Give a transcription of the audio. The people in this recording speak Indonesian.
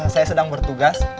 saya sedang bertugas